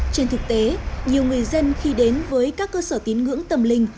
trên thực tế nhiều người dân khi đến với các cơ sở tín ngưỡng tâm linh